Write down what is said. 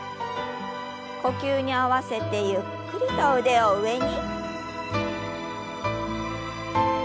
呼吸に合わせてゆっくりと腕を上に。